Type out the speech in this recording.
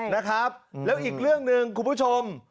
แล้วอีกเรื่องหนึ่งคุณผู้ชม